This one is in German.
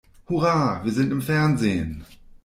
Hurra, wir sind im Fernsehen!